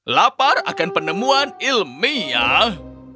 lapar akan penemuan ilmiah